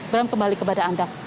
bram kembali kepada anda